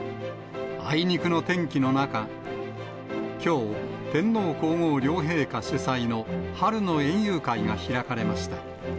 あいにくの天気の中、きょう、天皇皇后両陛下主催の春の園遊会が開かれました。